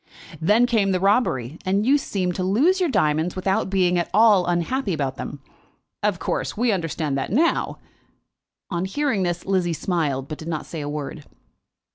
"Then came the robbery, and you seemed to lose your diamonds without being at all unhappy about them. Of course, we understand that now." On hearing this, Lizzie smiled, but did not say a word.